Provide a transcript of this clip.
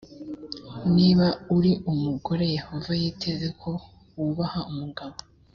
niba uri umugore yehova yiteze ko wubaha umugabo